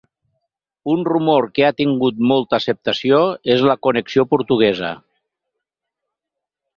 Un rumor que ha tingut molta acceptació és la connexió portuguesa.